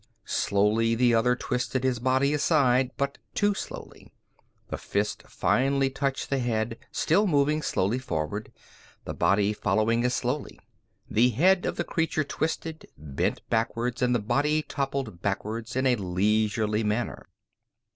Slowly the other twisted his body aside, but too slowly. The fist finally touched the head, still moving slowly forward, the body following as slowly. The head of the creature twisted, bent backward, and the body toppled back in a leisurely manner.